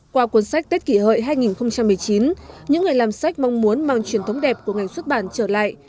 qua cuốn sách tết kỷ hợi hai nghìn một mươi chín những người làm sách mong muốn mang truyền thống đẹp của ngành xuất bản trở lại